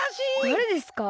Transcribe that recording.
だれですか？